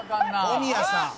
「小宮さん